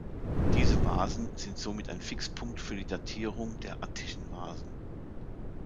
Diese Vasen sind somit ein Fixpunkt für die Datierung der attischen Vasen.